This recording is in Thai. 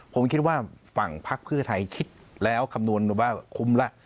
ผมคิดว่าฝั่งพักเพื่อไทยคิดแล้วคำนวณว่าคุ้มแล้ว